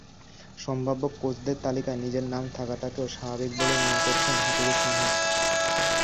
সম্ভাব্য কোচদের তালিকায় নিজের নাম থাকাটাকেও স্বাভাবিক বলেই মনে করছেন হাথুরুসিংহে।